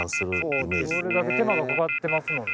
それだけ手間がかかってますもんね。